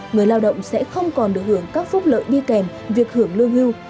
người lao động sẽ không còn được hưởng các phúc lợi đi kèm việc hưởng lương hưu